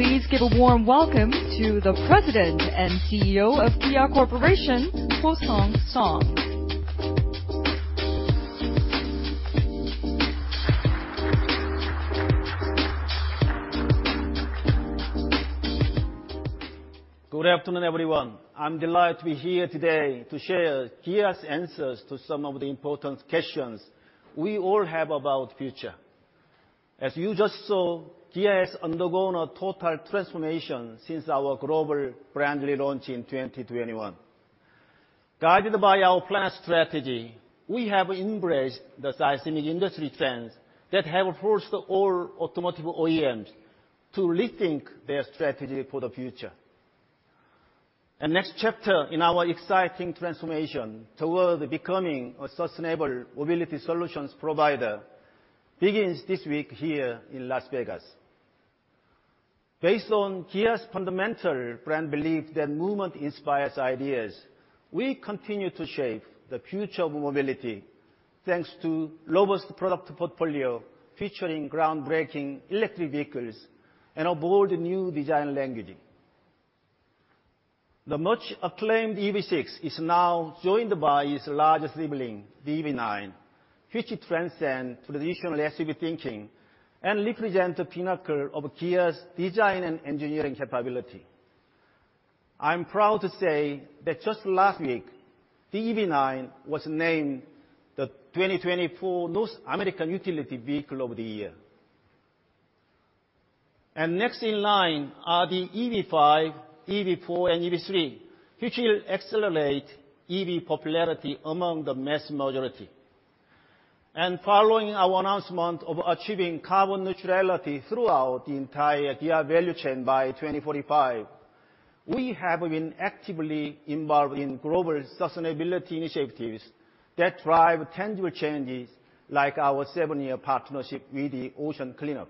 Please give a warm welcome to the President and CEO of Kia Corporation, Ho Sung Song. Good afternoon, everyone. I'm delighted to be here today to share Kia's answers to some of the important questions we all have about future. As you just saw, Kia has undergone a total transformation since our global brand relaunch in 2021. Guided by our Plan S strategy, we have embraced the seismic industry trends that have forced all automotive OEMs to rethink their strategy for the future. The next chapter in our exciting transformation towards becoming a sustainable mobility solutions provider begins this week here in Las Vegas. Based on Kia's fundamental brand belief that movement inspires ideas, we continue to shape the future of mobility, thanks to robust product portfolio, featuring groundbreaking electric vehicles and a bold new design language. The much acclaimed EV6 is now joined by its largest sibling, the EV9, which transcend traditional SUV thinking and represent the pinnacle of Kia's design and engineering capability. I'm proud to say that just last week, the EV9 was named the 2024 North American Utility Vehicle of the Year. Next in line are the EV5, EV4, and EV3, which will accelerate EV popularity among the mass majority. Following our announcement of achieving carbon neutrality throughout the entire Kia value chain by 2045, we have been actively involved in global sustainability initiatives that drive tangible changes, like our seven-year partnership with The Ocean Cleanup.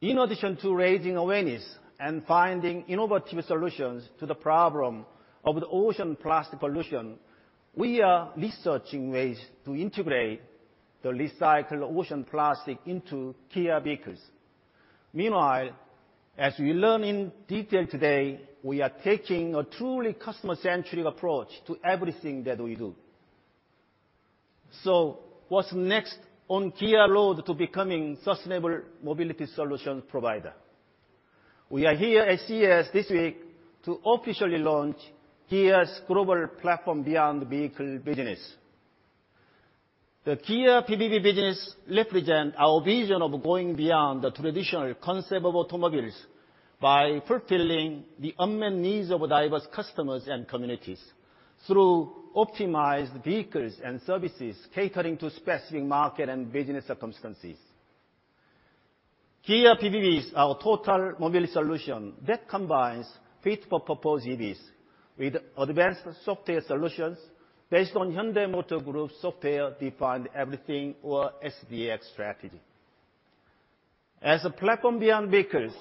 In addition to raising awareness and finding innovative solutions to the problem of the ocean plastic pollution, we are researching ways to integrate the recycled ocean plastic into Kia vehicles. Meanwhile, as we learn in detail today, we are taking a truly customer-centric approach to everything that we do. What's next on Kia's road to becoming sustainable mobility solution provider? We are here at CES this week to officially launch Kia's global Platform Beyond Vehicle business. The Kia PBV business represent our vision of going beyond the traditional concept of automobiles by fulfilling the unmet needs of diverse customers and communities through optimized vehicles and services, catering to specific market and business circumstances. Kia PBV is our total mobility solution that combines fit-for-purpose EVs with advanced software solutions based on Hyundai Motor Group's Software Defined Everything or SDx strategy. As a platform beyond vehicles,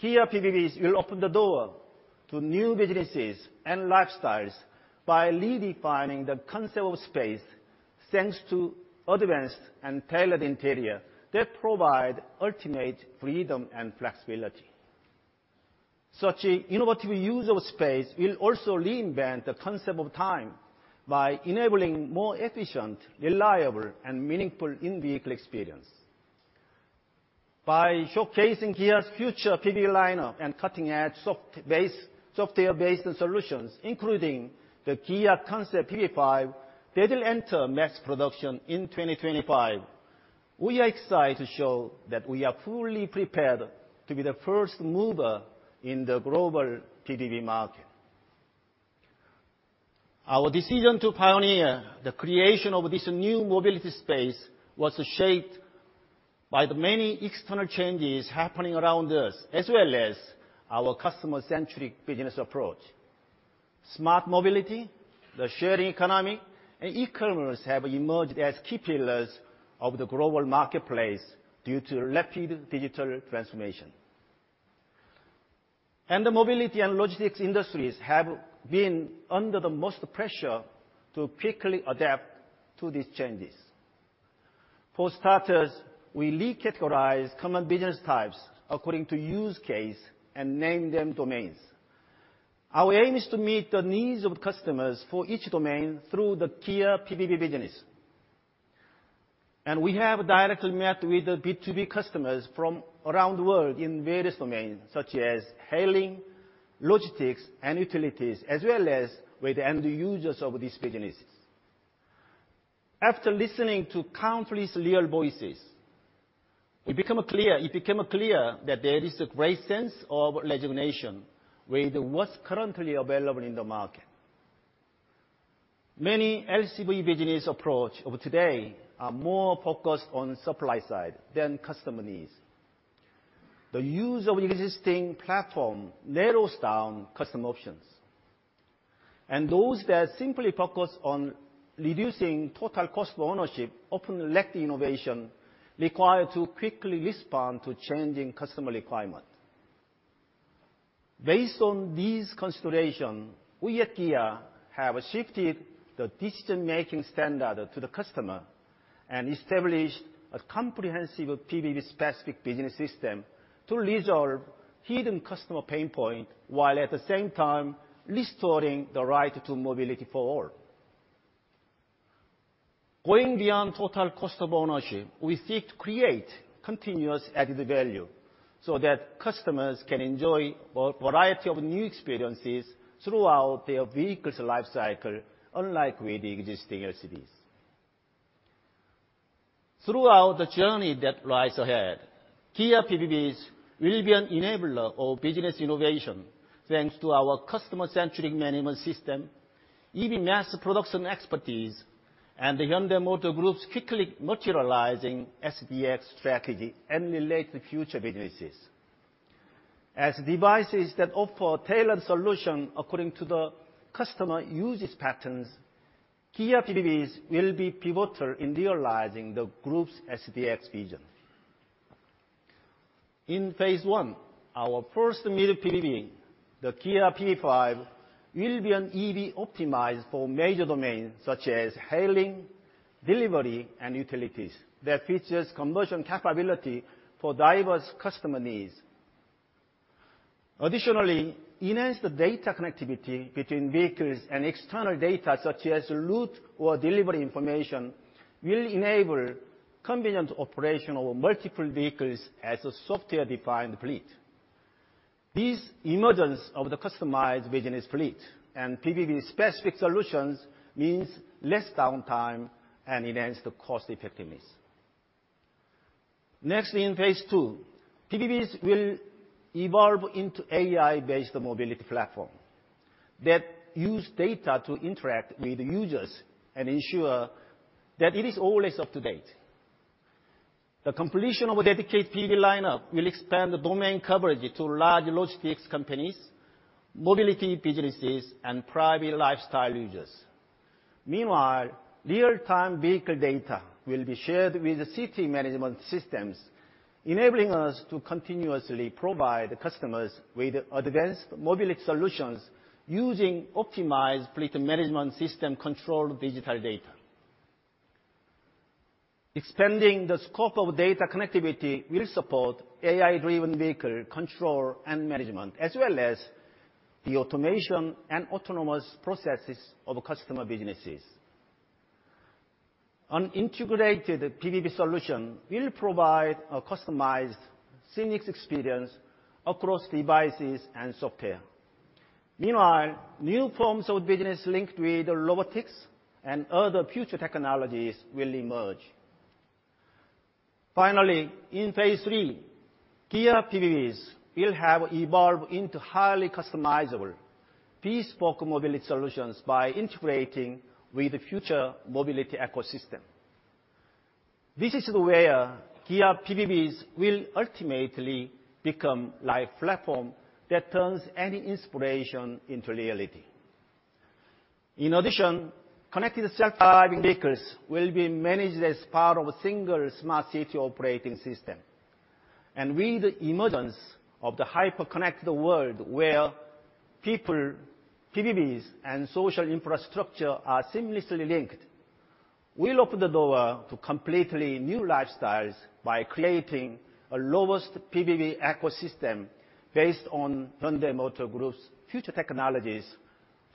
Kia PBVs will open the door to new businesses and lifestyles by redefining the concept of space, thanks to advanced and tailored interior that provide ultimate freedom and flexibility. Such innovative use of space will also reinvent the concept of time by enabling more efficient, reliable, and meaningful in-vehicle experience. By showcasing Kia's future PBV lineup and cutting-edge software-based solutions, including the Kia concept PV5, that will enter mass production in 2025, we are excited to show that we are fully prepared to be the first mover in the global PBV market. Our decision to pioneer the creation of this new mobility space was shaped by the many external changes happening around us, as well as our customer-centric business approach. Smart mobility, the sharing economy, and e-commerce have emerged as key pillars of the global marketplace due to rapid digital transformation. The mobility and logistics industries have been under the most pressure to quickly adapt to these changes. For starters, we re-categorize common business types according to use case and name them domains. Our aim is to meet the needs of customers for each domain through the Kia PBV business. We have directly met with the B2B customers from around the world in various domains, such as hailing, logistics, and utilities, as well as with the end users of these businesses. After listening to countless real voices, it became clear that there is a great sense of resignation with what's currently available in the market. Many LCV business approach of today are more focused on supply side than customer needs. The use of existing platform narrows down custom options, and those that simply focus on reducing total cost of ownership often lack the innovation required to quickly respond to changing customer requirements... Based on these consideration, we at Kia have shifted the decision making standard to the customer and established a comprehensive PBV specific business system to resolve hidden customer pain point, while at the same time restoring the right to mobility for all. Going beyond total cost of ownership, we seek to create continuous added value so that customers can enjoy a variety of new experiences throughout their vehicle's life cycle, unlike with existing SUVs. Throughout the journey that lies ahead, Kia PBVs will be an enabler of business innovation, thanks to our customer-centric management system, EV mass production expertise, and the Hyundai Motor Group's quickly materializing SDx strategy and related future businesses. As devices that offer tailored solution according to the customer usage patterns, Kia PBVs will be pivotal in realizing the group's SDx vision. In phase one, our first mid PBV, the Kia PV5, will be an EV optimized for major domains such as hailing, delivery, and utilities that features conversion capability for diverse customer needs. Additionally, enhanced data connectivity between vehicles and external data, such as route or delivery information, will enable convenient operation of multiple vehicles as a software-defined fleet. This emergence of the customized business fleet and PBV specific solutions means less downtime and enhanced cost effectiveness. Next, in phase II, PBVs will evolve into AI-based mobility platform that use data to interact with users and ensure that it is always up to date. The completion of a dedicated PBV lineup will expand the domain coverage to large logistics companies, mobility businesses, and private lifestyle users. Meanwhile, real-time vehicle data will be shared with the city management systems, enabling us to continuously provide customers with advanced mobility solutions using optimized fleet management system-controlled digital data. Expanding the scope of data connectivity will support AI-driven vehicle control and management, as well as the automation and autonomous processes of customer businesses. An integrated PBV solution will provide a customized seamless experience across devices and software. Meanwhile, new forms of business linked with robotics and other future technologies will emerge. Finally, in phase III, Kia PBVs will have evolved into highly customizable, bespoke mobility solutions by integrating with the future mobility ecosystem. This is where Kia PBVs will ultimately become live platform that turns any inspiration into reality. In addition, connected self-driving vehicles will be managed as part of a single smart city operating system. And with the emergence of the hyper-connected world where people, PBVs, and social infrastructure are seamlessly linked, we'll open the door to completely new lifestyles by creating a robust PBV ecosystem based on Hyundai Motor Group's future technologies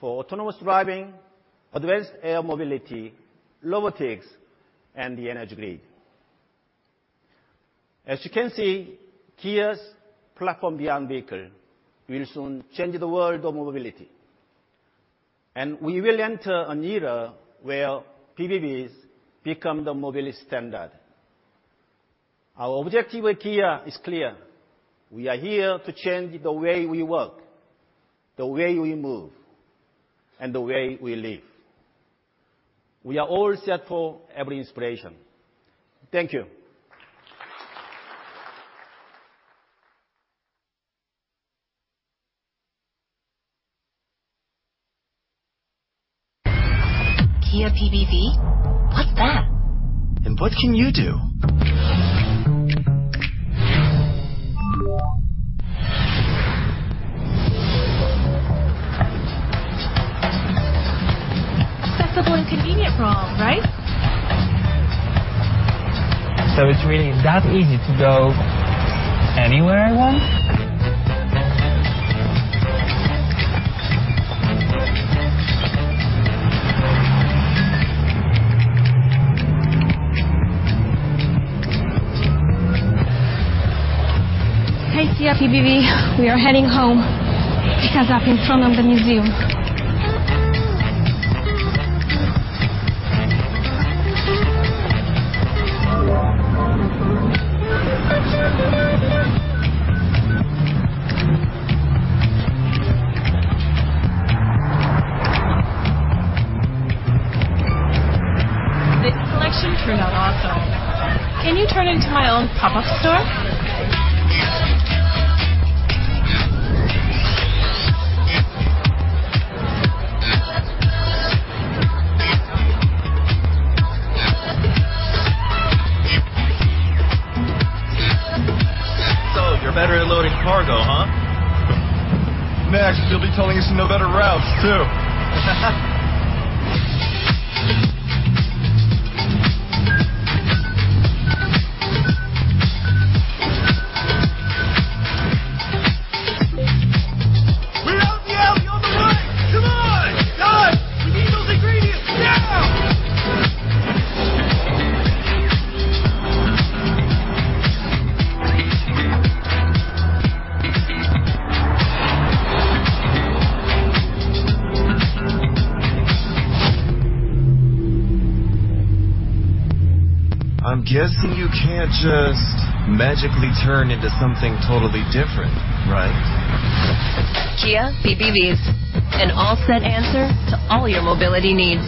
for autonomous driving, advanced air mobility, robotics, and the energy grid. As you can see, Kia's Platform Beyond Vehicle will soon change the world of mobility, and we will enter an era where PBVs become the mobility standard. Our objective at Kia is clear: we are here to change the way we work, the way we move, and the way we live. We are all set for every inspiration. Thank you. Kia PBV, what's that? And what can you do? That's the big inconvenient problem, right? So it's really that easy to go anywhere I want? Hey, Kia PBV, we are heading home. Pick us up in front of the museum. The collection turned out awesome. Can you turn into my own pop-up store? just magically turn into something totally different, right? Kia PBVs, an all-set answer to all your mobility needs.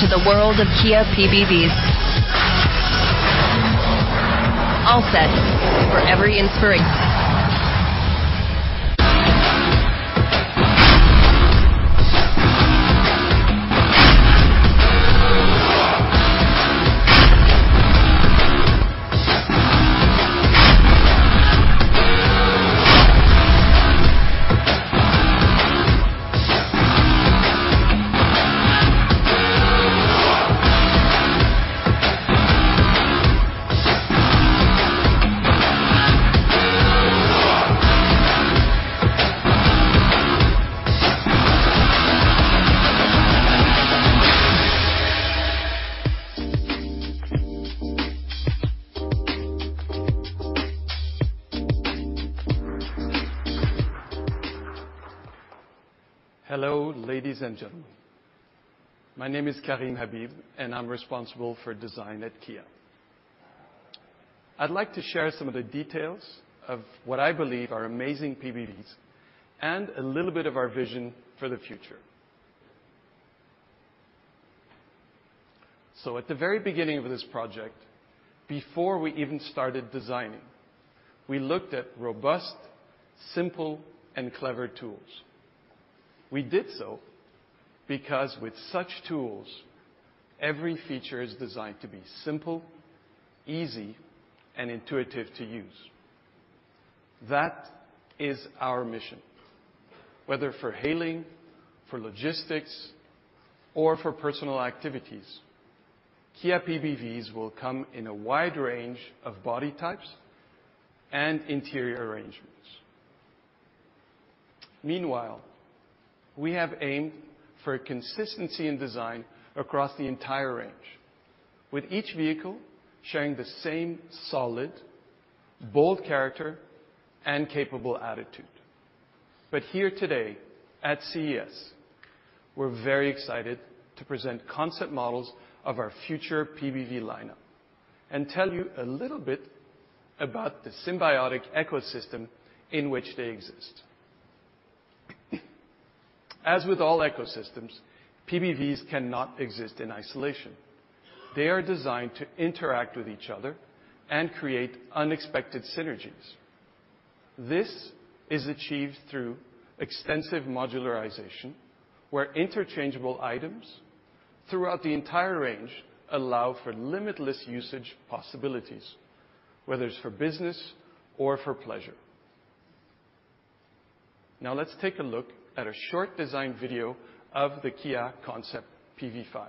Welcome to the world of Kia PBVs. All set for every inspiration. Hello, ladies and gentlemen. My name is Karim Habib, and I'm responsible for design at Kia. I'd like to share some of the details of what I believe are amazing PBVs and a little bit of our vision for the future. At the very beginning of this project, before we even started designing, we looked at robust, simple, and clever tools. We did so because with such tools, every feature is designed to be simple, easy, and intuitive to use. That is our mission, whether for hailing, for logistics, or for personal activities. Kia PBVs will come in a wide range of body types and interior arrangements. Meanwhile, we have aimed for consistency in design across the entire range, with each vehicle sharing the same solid, bold character and capable attitude. But here today at CES, we're very excited to present concept models of our future PBV lineup and tell you a little bit about the symbiotic ecosystem in which they exist. As with all ecosystems, PBVs cannot exist in isolation. They are designed to interact with each other and create unexpected synergies. This is achieved through extensive modularization, where interchangeable items throughout the entire range allow for limitless usage possibilities, whether it's for business or for pleasure. Now, let's take a look at a short design video of the Kia concept PV5.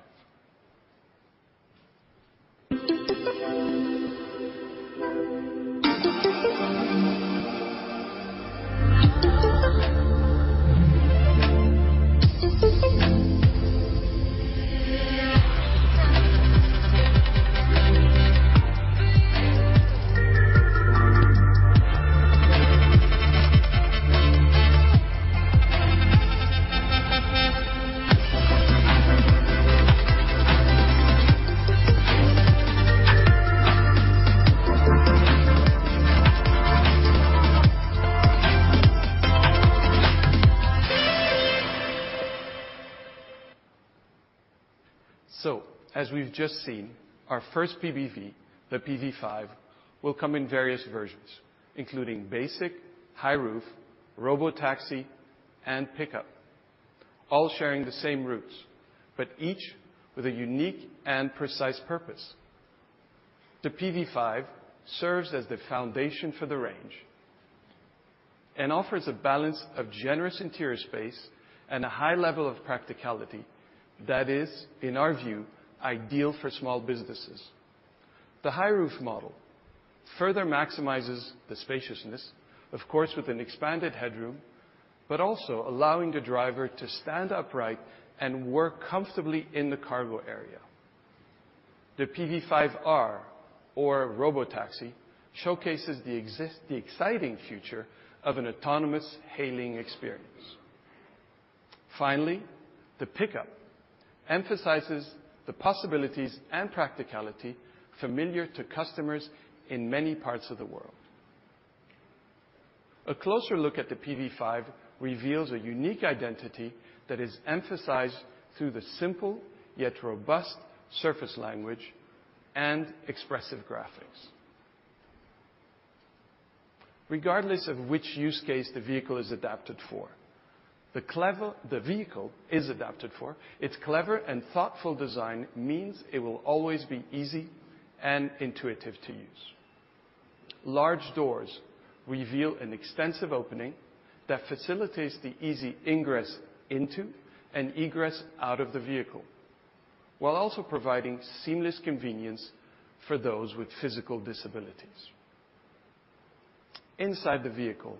So, as we've just seen, our first PBV, the PV5, will come in various versions, including basic, high roof, robotaxi, and pickup, all sharing the same roots, but each with a unique and precise purpose. The PV5 serves as the foundation for the range and offers a balance of generous interior space and a high level of practicality that is, in our view, ideal for small businesses. The high roof model further maximizes the spaciousness, of course, with an expanded headroom, but also allowing the driver to stand upright and work comfortably in the cargo area. The PV5R or Robotaxi showcases the exciting future of an autonomous hailing experience. Finally, the pickup emphasizes the possibilities and practicality familiar to customers in many parts of the world. A closer look at the PV5 reveals a unique identity that is emphasized through the simple, yet robust, surface language and expressive graphics. Regardless of which use case the vehicle is adapted for, its clever and thoughtful design means it will always be easy and intuitive to use. Large doors reveal an extensive opening that facilitates the easy ingress into and egress out of the vehicle, while also providing seamless convenience for those with physical disabilities. Inside the vehicle,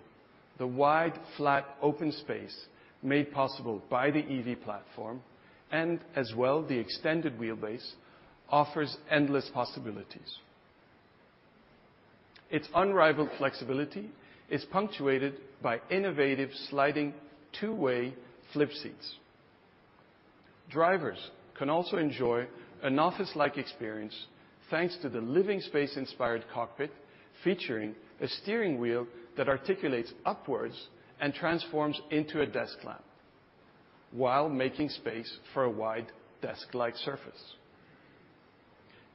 the wide, flat, open space, made possible by the EV platform, and as well, the extended wheelbase, offers endless possibilities. Its unrivaled flexibility is punctuated by innovative sliding two-way flip seats. Drivers can also enjoy an office-like experience, thanks to the living space-inspired cockpit, featuring a steering wheel that articulates upwards and transforms into a desk lamp, while making space for a wide desk light surface.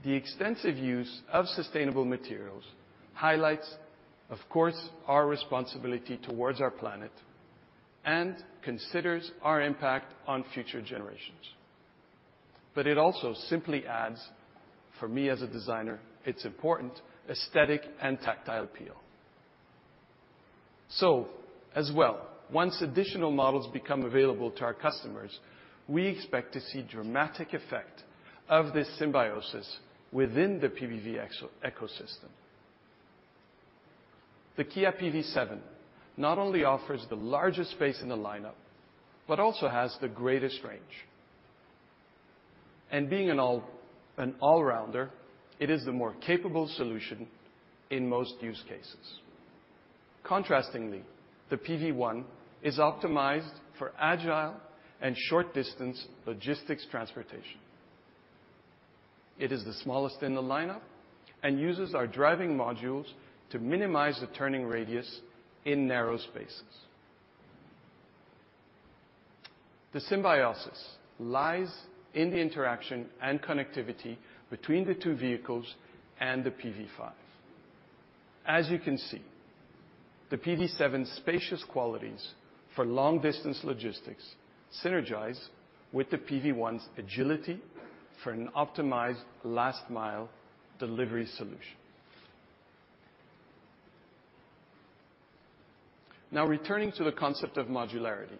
The extensive use of sustainable materials highlights, of course, our responsibility towards our planet and considers our impact on future generations. But it also simply adds, for me as a designer, it's important, aesthetic and tactile appeal. So as well, once additional models become available to our customers, we expect to see dramatic effect of this symbiosis within the PBV ecosystem. The Kia PV7 not only offers the largest space in the lineup, but also has the greatest range. And being an all-rounder, it is the more capable solution in most use cases. Contrastingly, the PV1 is optimized for agile and short-distance logistics transportation. It is the smallest in the lineup and uses our driving modules to minimize the turning radius in narrow spaces. The symbiosis lies in the interaction and connectivity between the two vehicles and the PV5. As you can see, the PV7's spacious qualities for long-distance logistics synergize with the PV1's agility for an optimized last-mile delivery solution. Now, returning to the concept of modularity,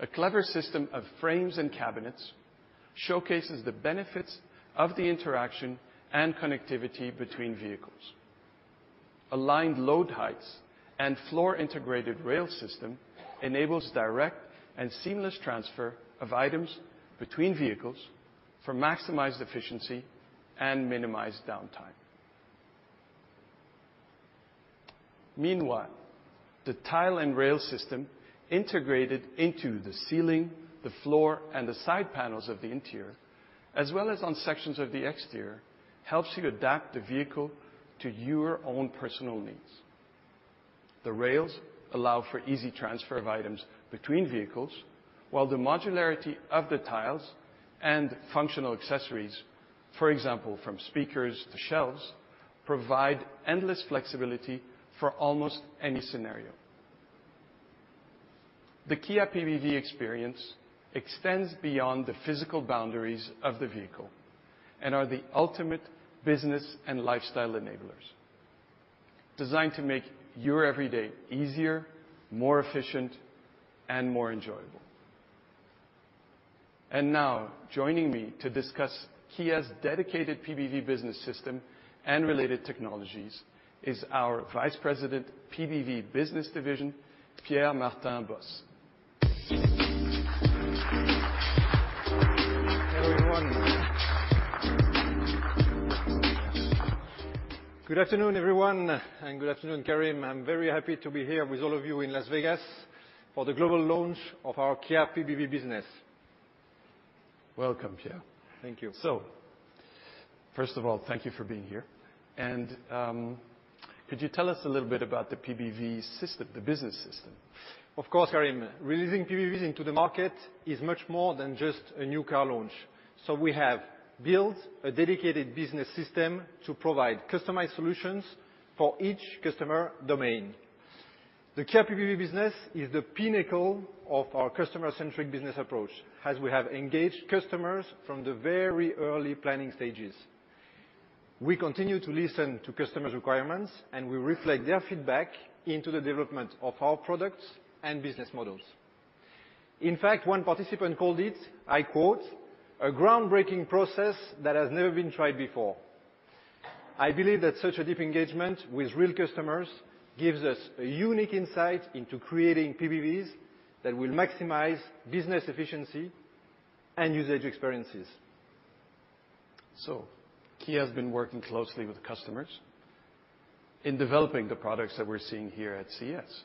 a clever system of frames and cabinets showcases the benefits of the interaction and connectivity between vehicles. Aligned load heights and floor-integrated rail system enables direct and seamless transfer of items between vehicles for maximized efficiency and minimized downtime. Meanwhile, the tile and rail system, integrated into the ceiling, the floor, and the side panels of the interior, as well as on sections of the exterior, helps you adapt the vehicle to your own personal needs. The rails allow for easy transfer of items between vehicles, while the modularity of the tiles and functional accessories, for example, from speakers to shelves, provide endless flexibility for almost any scenario. The Kia PBV experience extends beyond the physical boundaries of the vehicle and are the ultimate business and lifestyle enablers, designed to make your every day easier, more efficient, and more enjoyable. And now, joining me to discuss Kia's dedicated PBV business system and related technologies, is our Vice President, PBV Business Division, Pierre-Martin Bos. Good afternoon, everyone, and good afternoon, Karim. I'm very happy to be here with all of you in Las Vegas for the global launch of our Kia PBV business. Welcome, Pierre. Thank you. So, first of all, thank you for being here. And, could you tell us a little bit about the PBV system, the business system? Of course, Karim. Releasing PBVs into the market is much more than just a new car launch. So we have built a dedicated business system to provide customized solutions for each customer domain. The Kia PBV business is the pinnacle of our customer-centric business approach, as we have engaged customers from the very early planning stages. We continue to listen to customers' requirements, and we reflect their feedback into the development of our products and business models. In fact, one participant called it, I quote, "A groundbreaking process that has never been tried before." I believe that such a deep engagement with real customers gives us a unique insight into creating PBVs that will maximize business efficiency and user experiences. Kia has been working closely with customers in developing the products that we're seeing here at CES.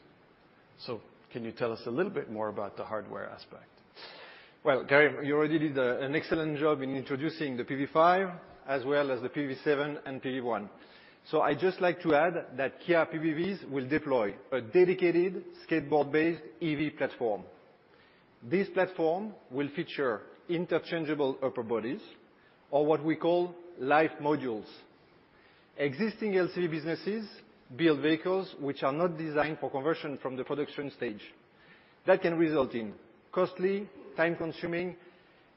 Can you tell us a little bit more about the hardware aspect? Well, Karim, you already did an excellent job in introducing the PV5 as well as the PV7 and PV1. So I'd just like to add that Kia PBVs will deploy a dedicated skateboard-based EV platform. This platform will feature interchangeable upper bodies, or what we call Life Modules. Existing LCV businesses build vehicles which are not designed for conversion from the production stage. That can result in costly, time-consuming,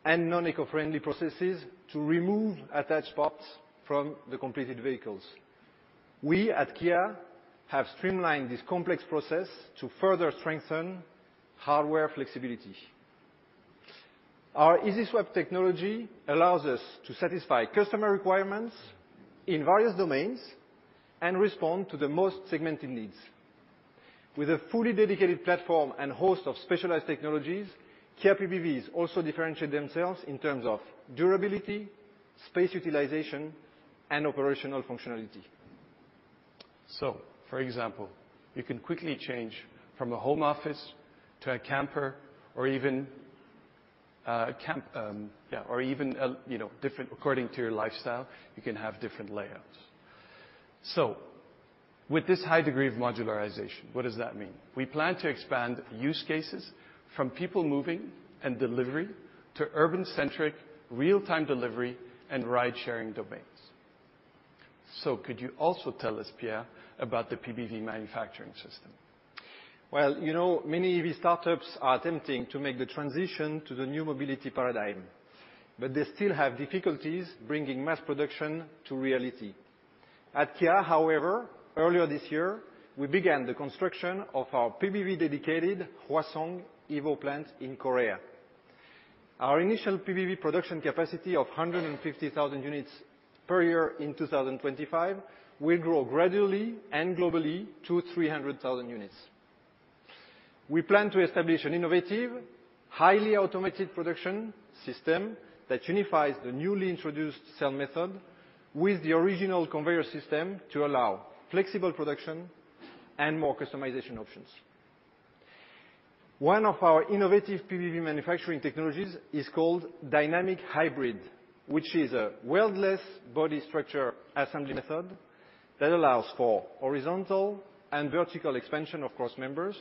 and non-eco-friendly processes to remove attached parts from the completed vehicles. We at Kia have streamlined this complex process to further strengthen hardware flexibility. Our Easy Swap technology allows us to satisfy customer requirements in various domains and respond to the most segmented needs. With a fully dedicated platform and host of specialized technologies, Kia PBVs also differentiate themselves in terms of durability, space utilization, and operational functionality. So, for example, you can quickly change from a home office to a camper or even a camp, or even a, you know, different according to your lifestyle, you can have different layouts. So with this high degree of modularization, what does that mean? We plan to expand use cases from people moving and delivery to urban-centric, real-time delivery, and ride-sharing domains. So could you also tell us, Pierre, about the PBV manufacturing system? Well, you know, many of these startups are attempting to make the transition to the new mobility paradigm, but they still have difficulties bringing mass production to reality. At Kia, however, earlier this year, we began the construction of our PBV-dedicated Hwaseong EVO Plant in Korea. Our initial PBV production capacity of 150,000 units per year in 2025 will grow gradually and globally to 300,000 units. We plan to establish an innovative, highly automated production system that unifies the newly introduced cell method with the original conveyor system to allow flexible production and more customization options. One of our innovative PBV manufacturing technologies is called Dynamic Hybrid, which is a weldless body structure assembly method that allows for horizontal and vertical expansion of cross members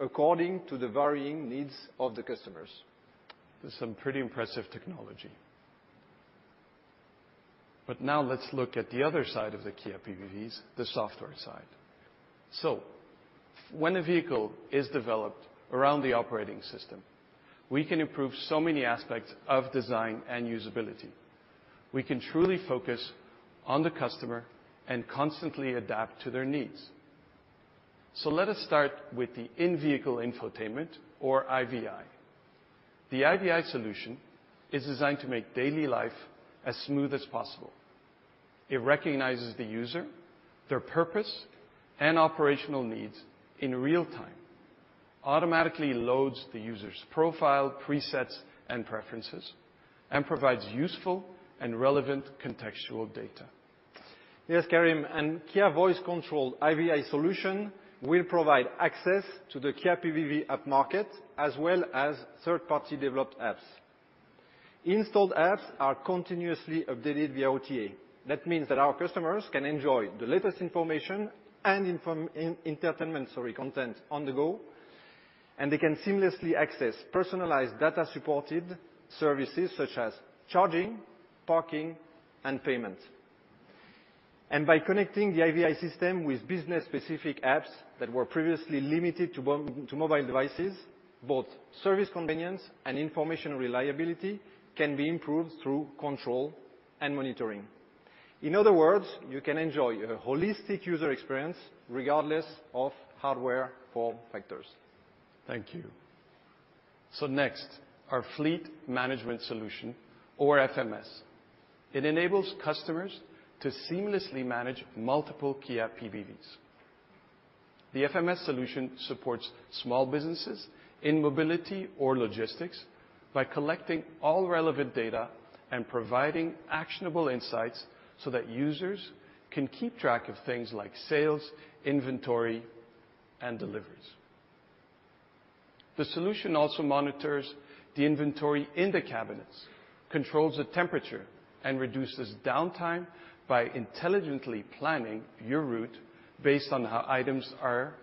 according to the varying needs of the customers. This is some pretty impressive technology. But now let's look at the other side of the Kia PBVs, the software side. So when a vehicle is developed around the operating system, we can improve so many aspects of design and usability. We can truly focus on the customer and constantly adapt to their needs. So let us start with the in-vehicle infotainment or IVI. The IVI solution is designed to make daily life as smooth as possible. It recognizes the user, their purpose, and operational needs in real time, automatically loads the user's profile, presets, and preferences, and provides useful and relevant contextual data. Yes, Karim, and Kia voice-controlled IVI solution will provide access to the Kia PBV app market, as well as third-party developed apps. Installed apps are continuously updated via OTA. That means that our customers can enjoy the latest information and infotainment, sorry, content on the go, and they can seamlessly access personalized data-supported services such as charging, parking, and payment. By connecting the IVI system with business-specific apps that were previously limited to mobile devices, both service convenience and information reliability can be improved through control and monitoring. In other words, you can enjoy a holistic user experience regardless of hardware form factors. Thank you. Next, our fleet management solution or FMS. It enables customers to seamlessly manage multiple Kia PBVs. The FMS solution supports small businesses in mobility or logistics by collecting all relevant data and providing actionable insights so that users can keep track of things like sales, inventory, and deliveries. The solution also monitors the inventory in the cabinets, controls the temperature, and reduces downtime by intelligently planning your route based on how items are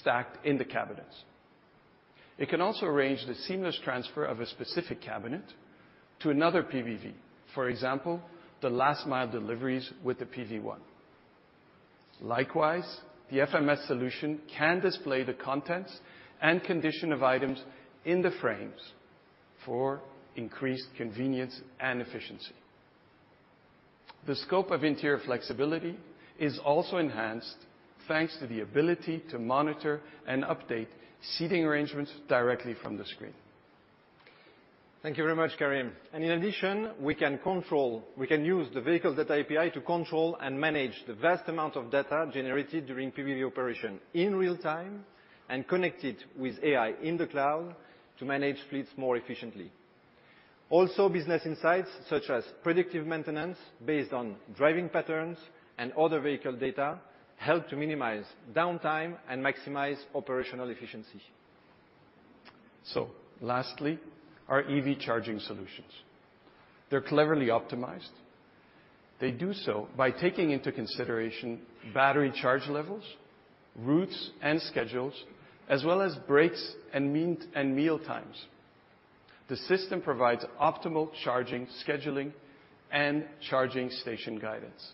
stacked in the cabinets. It can also arrange the seamless transfer of a specific cabinet to another PBV, for example, the last mile deliveries with the PV1. Likewise, the FMS solution can display the contents and condition of items in the frames for increased convenience and efficiency. The scope of interior flexibility is also enhanced, thanks to the ability to monitor and update seating arrangements directly from the screen. Thank you very much, Karim. And in addition, we can use the vehicles data API to control and manage the vast amount of data generated during PBV operation in real time and connect it with AI in the cloud to manage fleets more efficiently. Also, business insights, such as predictive maintenance based on driving patterns and other vehicle data, help to minimize downtime and maximize operational efficiency. So lastly, our EV charging solutions. They're cleverly optimized. They do so by taking into consideration battery charge levels, routes, and schedules, as well as breaks and mealtimes. The system provides optimal charging, scheduling, and charging station guidance.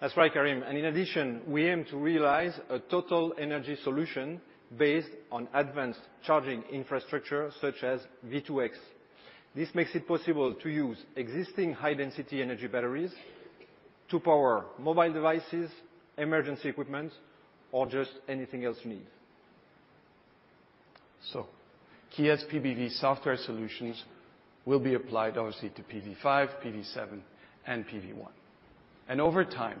That's right, Karim, and in addition, we aim to realize a total energy solution based on advanced charging infrastructure, such as V2X. This makes it possible to use existing high-density energy batteries to power mobile devices, emergency equipment, or just anything else you need. So Kia's PBV software solutions will be applied obviously to PV5, PV7, and PV1. And over time,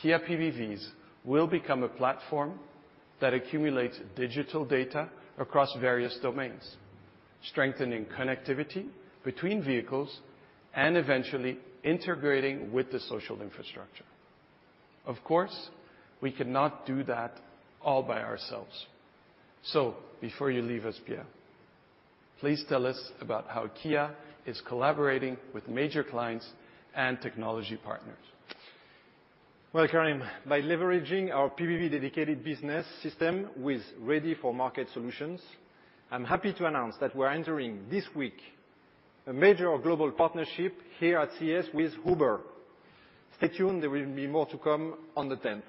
Kia PBVs will become a platform that accumulates digital data across various domains, strengthening connectivity between vehicles and eventually integrating with the social infrastructure. Of course, we cannot do that all by ourselves. So before you leave us, Pierre, please tell us about how Kia is collaborating with major clients and technology partners. Well, Karim, by leveraging our PBV-dedicated business system with ready-for-market solutions, I'm happy to announce that we're entering this week a major global partnership here at CES with Uber. Stay tuned, there will be more to come on the tenth.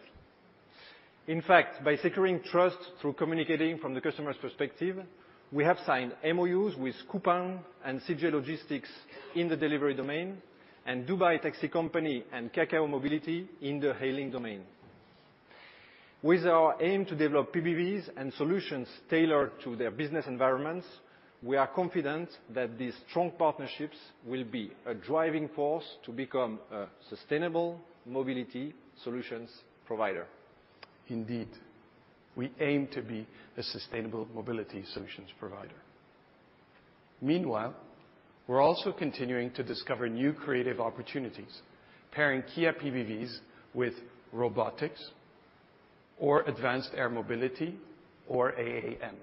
In fact, by securing trust through communicating from the customer's perspective, we have signed MOUs with Coupang and CJ Logistics in the delivery domain, and Dubai Taxi Company and Kakao Mobility in the hailing domain. With our aim to develop PBVs and solutions tailored to their business environments, we are confident that these strong partnerships will be a driving force to become a sustainable mobility solutions provider. Indeed, we aim to be a sustainable mobility solutions provider. Meanwhile, we're also continuing to discover new creative opportunities, pairing Kia PBVs with robotics or advanced air mobility, or AAM.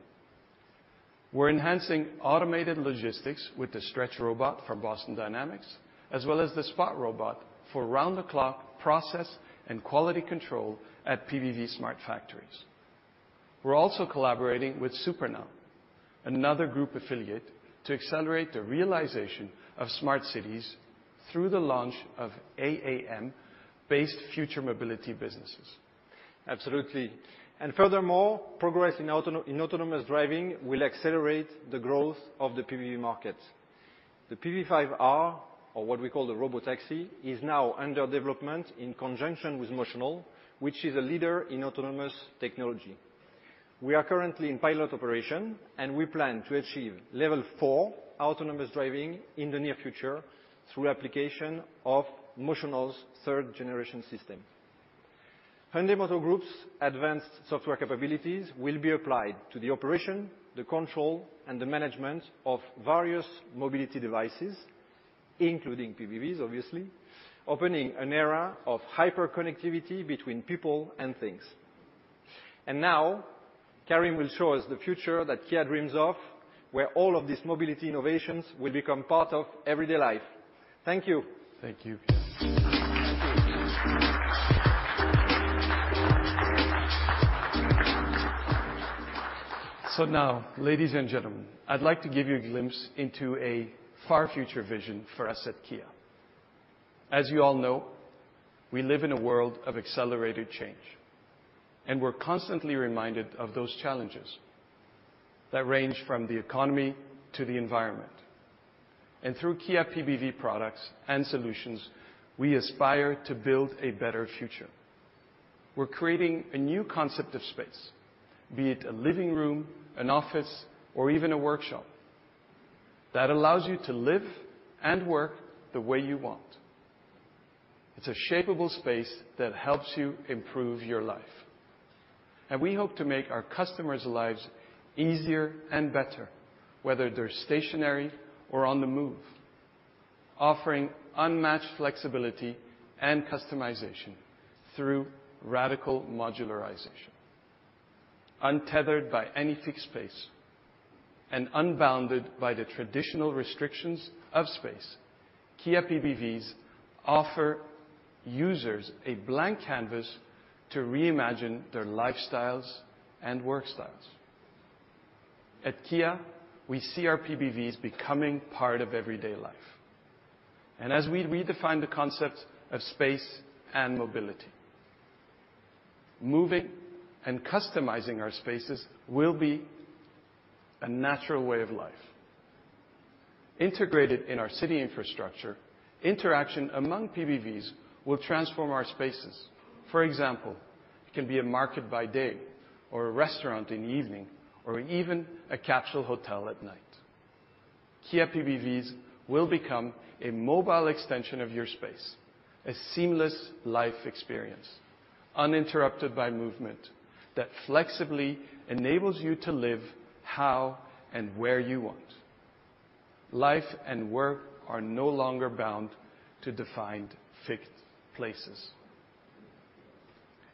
We're enhancing automated logistics with the Stretch robot from Boston Dynamics, as well as the Spot robot for round-the-clock process and quality control at PBV smart factories. We're also collaborating with Supernal, another group affiliate, to accelerate the realization of smart cities through the launch of AAM-based future mobility businesses. Absolutely. And furthermore, progress in autonomous driving will accelerate the growth of the PBV market. The PV5 R, or what we call the Robotaxi, is now under development in conjunction with Motional, which is a leader in autonomous technology. We are currently in pilot operation, and we plan to achieve Level four autonomous driving in the near future through application of Motional's third-generation system. Hyundai Motor Group's advanced software capabilities will be applied to the operation, the control, and the management of various mobility devices, including PBVs, obviously, opening an era of hyperconnectivity between people and things. And now, Karim will show us the future that Kia dreams of, where all of these mobility innovations will become part of everyday life. Thank you. Thank you. Now, ladies and gentlemen, I'd like to give you a glimpse into a far future vision for us at Kia. As you all know, we live in a world of accelerated change, and we're constantly reminded of those challenges that range from the economy to the environment. Through Kia PBV products and solutions, we aspire to build a better future. We're creating a new concept of space, be it a living room, an office, or even a workshop, that allows you to live and work the way you want. It's a shapeable space that helps you improve your life, and we hope to make our customers' lives easier and better, whether they're stationary or on the move, offering unmatched flexibility and customization through radical modularization. Untethered by any fixed space and unbounded by the traditional restrictions of space, Kia PBVs offer users a blank canvas to reimagine their lifestyles and work styles. At Kia, we see our PBVs becoming part of everyday life. As we redefine the concept of space and mobility, moving and customizing our spaces will be a natural way of life. Integrated in our city infrastructure, interaction among PBVs will transform our spaces. For example, it can be a market by day, or a restaurant in the evening, or even a capsule hotel at night. Kia PBVs will become a mobile extension of your space, a seamless life experience, uninterrupted by movement, that flexibly enables you to live how and where you want. Life and work are no longer bound to defined, fixed places.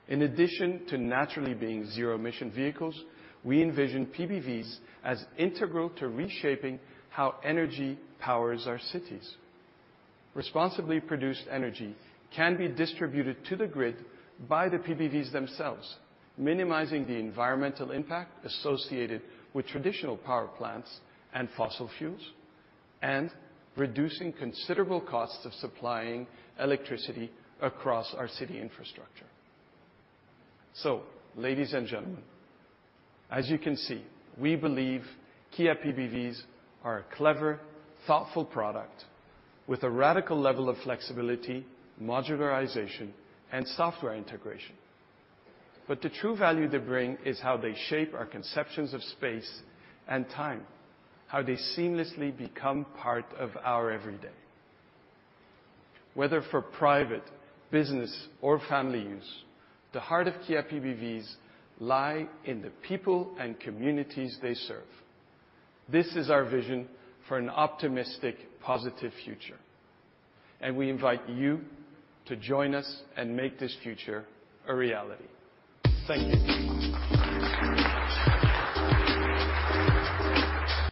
In addition to naturally being zero-emission vehicles, we envision PBVs as integral to reshaping how energy powers our cities. Responsibly produced energy can be distributed to the grid by the PBVs themselves, minimizing the environmental impact associated with traditional power plants and fossil fuels, and reducing considerable costs of supplying electricity across our city infrastructure. So, ladies and gentlemen, as you can see, we believe Kia PBVs are a clever, thoughtful product with a radical level of flexibility, modularization, and software integration. But the true value they bring is how they shape our conceptions of space and time, how they seamlessly become part of our every day. Whether for private, business, or family use, the heart of Kia PBVs lie in the people and communities they serve. This is our vision for an optimistic, positive future, and we invite you to join us and make this future a reality. Thank you.